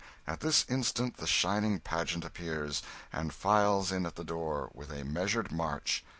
At this instant the shining pageant appears, and files in at the door, with a measured march.